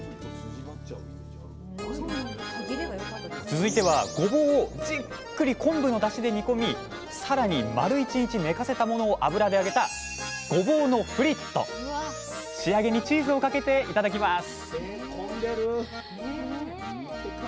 続いてはごぼうをじっくり昆布のだしで煮込みさらに丸１日寝かせたものを油で揚げた仕上げにチーズをかけて頂きます